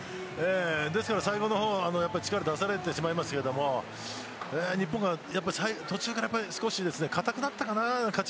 ですから、最後の方力を出されてしまいましたけど日本が途中から硬くなったかなと。